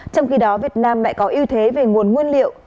trong khi đó việt nam lại có ưu thế về nguồn nguyên liệu